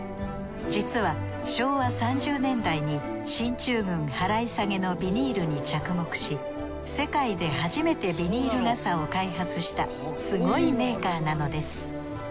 実は昭和３０年代に進駐軍払い下げのビニールに着目し世界で初めてビニール傘を開発したすごいメーカーなのです。